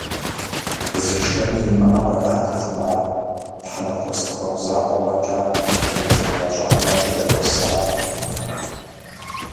Зышэни имыӏэу артэкъым ар тхьэмахуэ зэхуаку закъуэ фӏэкӏа имыцӏыхуа щӏалэм щӏыдэкӏуэсар.